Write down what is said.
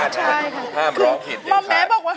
จำหนักอะไรครับ